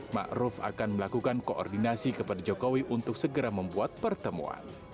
ma'ruf akan melakukan koordinasi kepada jokowi untuk segera membuat pertemuan